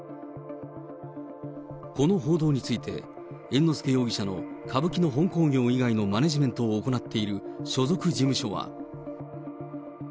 この報道について、猿之助容疑者の歌舞伎の本興行以外のマネジメントを行っている所属事務所は。